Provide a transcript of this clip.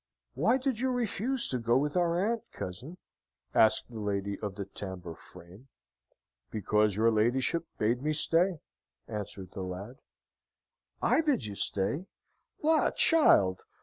"Why did you refuse to go with our aunt, cousin?" asked the lady of the tambour frame. "Because your ladyship bade me stay," answered the lad. "I bid you stay! La! child!